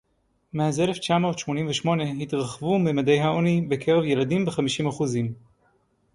מאז אלף תשע מאות שמונים ושמונה התרחבו ממדי העוני בקרב ילדים בחמישים אחוזים